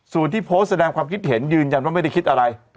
ส่วนที่โพสต์แสดงความคิดเห็นยืนยันว่าไม่ได้คิดอะไร